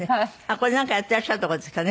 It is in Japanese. これなんかやってらっしゃるとこですかね？